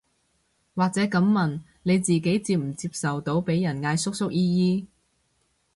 或者噉問，你自己接唔接受到被人嗌叔叔姨姨